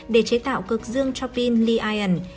để chế tạo cực dương cho pin li ion